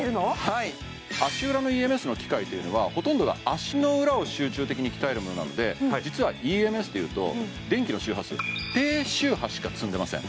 はい足裏のＥＭＳの機械というのはほとんどが足の裏を集中的に鍛えるものなので実はＥＭＳっていうと電気の周波数低周波しか積んでません